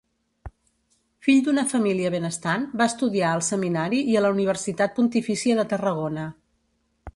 Fill d'una família benestant, va estudiar al Seminari i a la Universitat Pontifícia de Tarragona.